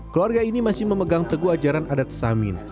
keluarga ini masih memegang teguh ajaran adat samin